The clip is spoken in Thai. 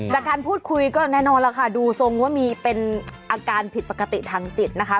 จากการพูดคุยก็แน่นอนล่ะค่ะดูทรงว่ามีเป็นอาการผิดปกติทางจิตนะคะ